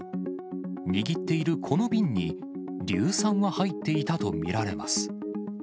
握っているこの瓶に、硫酸が入っていたと見られます。